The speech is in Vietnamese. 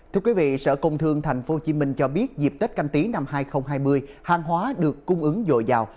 thưa quý vị sở công thương tp hcm cho biết dịp tết canh tí năm hai nghìn hai mươi hàng hóa được cung ứng dồi dào